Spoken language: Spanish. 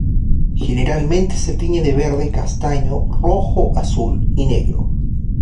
Generalmente se tiñe de verde, castaño, rojo, azul y negro.